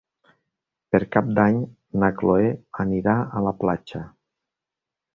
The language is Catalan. Per Cap d'Any na Cloè anirà a la platja.